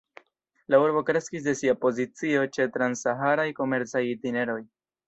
La urbo kreskis de sia pozicio ĉe trans-saharaj komercaj itineroj.